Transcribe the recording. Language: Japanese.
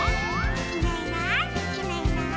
「いないいないいないいない」